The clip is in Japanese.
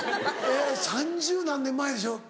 ３０何年前でしょ？